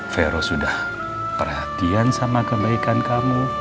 vero sudah perhatian sama kebaikan kamu